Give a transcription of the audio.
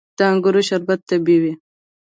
د انګورو شربت طبیعي وي.